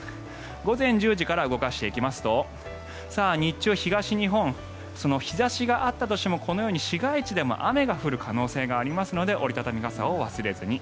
午前１０時から動かしていきますと日中は東日本日差しがあったとしてもこのように市街地でも雨が降る可能性がありますので折り畳み傘を忘れずに。